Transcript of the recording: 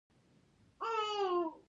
له بې قدریه دي ستنېږمه بیا نه راځمه